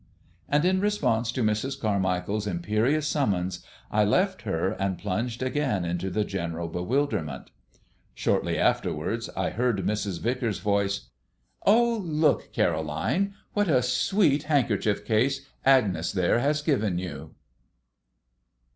And, in response to Mrs. Carmichael's imperious summons, I left her and plunged again into the general bewilderment. Shortly afterwards I heard Mrs. Vicars's voice. "Oh, look, Caroline, what a sweet handkerchief case Agnes there has given you!"